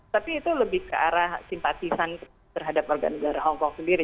tapi itu lebih ke arah simpatisan terhadap warga negara hongkong sendiri